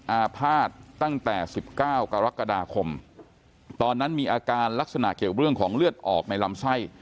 อาภาษณ์ตั้งแต่๑๙กรกฎาคมตอนนั้นมีอาการลักษณะเกี่ยวเรื่องของเลือดออกในลำไส้